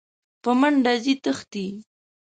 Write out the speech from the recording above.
په منډه ځني تښتي !